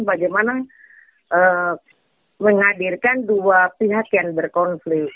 bagaimana menghadirkan dua pihak yang berkonflik